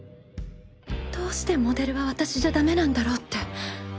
どうしてモデルは私じゃダメなんだろって。